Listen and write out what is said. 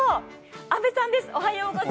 阿部さんです。